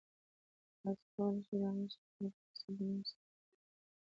تاسو کولی شئ د غږ ثبتولو پروسه د نوو زده کړو یوه برخه وګڼئ.